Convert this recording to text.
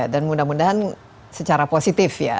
dan mudah mudahan secara positif ya